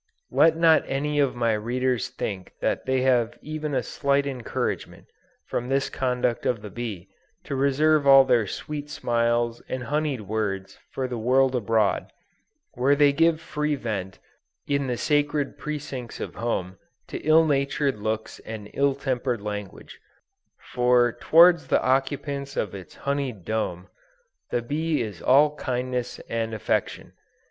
Let not any of my readers think that they have even a slight encouragement, from this conduct of the bee, to reserve all their sweet smiles and honied words for the world abroad, while they give free vent, in the sacred precincts of home, to ill natured looks and ill tempered language; for towards the occupants of its honied dome, the bee is all kindness and affection.